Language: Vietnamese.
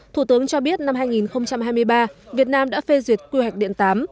thủ tướng cho biết năm hai nghìn hai mươi ba việt nam đã phê duyệt quy hoạch điện tám